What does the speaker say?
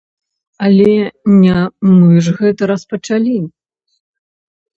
Але не мы ж гэта распачалі.